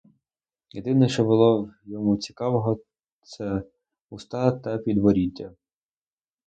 Єдине, що було в йому цікавого, це уста та підборіддя.